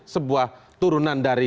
sebuah turunan dari